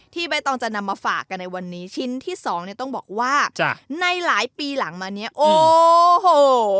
ใบตองจะนำมาฝากกันในวันนี้ชิ้นที่สองเนี่ยต้องบอกว่าในหลายปีหลังมาเนี่ยโอ้โห